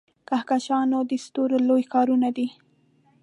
کهکشانونه د ستورو لوی ښارونه دي.